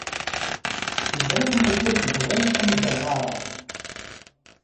Ẓriɣ mazal tebɣiḍ ad am-d-ɣɣareɣ.